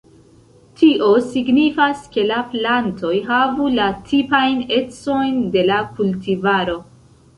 Tio signifas, ke la plantoj havu la tipajn ecojn de la kultivaro.